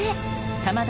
かまど！